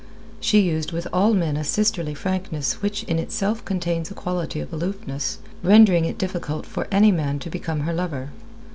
She used with all men a sisterly frankness which in itself contains a quality of aloofness, rendering it difficult for any man to become her lover.